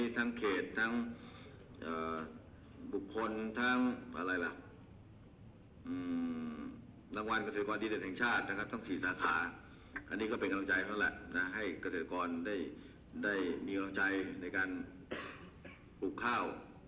ทั้งสี่สาขาอันนี้ก็เป็นกำลังใจเท่านั้นแหละนะให้เกษตรกรได้ได้มีกำลังใจในการปลูกข้าว